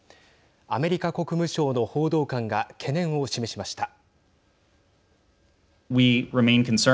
アメリカ国務省の報道官が懸念を示しました。